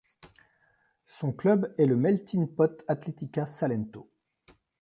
Son club est le Meltin Pot Atletica Salento.